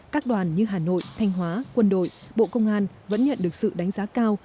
các đoàn như hà nội thanh hóa quân đội bộ công an vẫn nhận được sự đánh giá cao